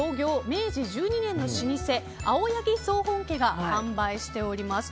明治１２年の老舗青柳総本家が販売しています。